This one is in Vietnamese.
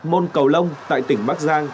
môn cầu lông tại tỉnh bắc giang